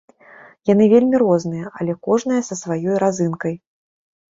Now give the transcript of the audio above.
Яны вельмі розныя, але кожная са сваёй разынкай.